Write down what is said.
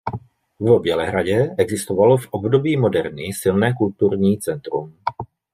V Bělehradě existovalo v období moderny silné kulturní centrum.